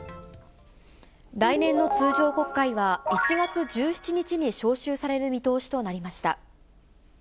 来年の通常国会は、１月１７日に召集される見通しとなりました。